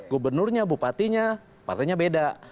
gubernurnya bupatinya partainya beda